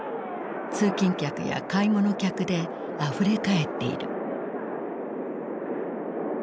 通勤客や買い物客であふれ返っている。